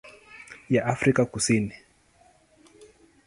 ya Afrika Kusini.